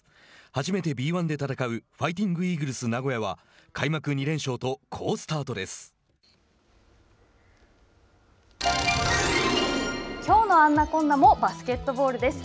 初めてＢ１で戦うファイティングイーグルス名古屋はきょうの「あんなこんな」もバスケットボールです。